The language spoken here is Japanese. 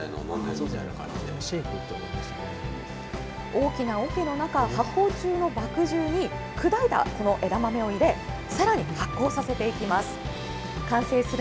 大きなおけの中、発酵中の麦汁に砕いたこの枝豆を入れ、さらに発酵させていきます。